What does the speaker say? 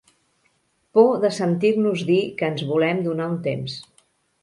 Por de sentir-nos dir que ens volem donar un temps.